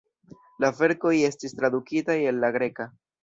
La verkoj estis tradukitaj el la greka.